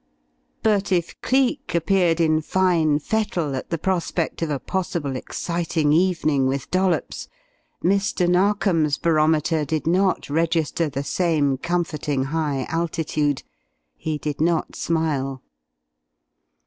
But if Cleek appeared in fine fettle at the prospect of a possible exciting evening with Dollops, Mr. Narkom's barometer did not register the same comforting high altitude. He did not smile.